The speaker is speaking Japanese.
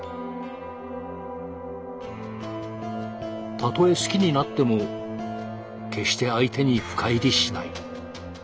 たとえ好きになっても決して相手に深入りしない。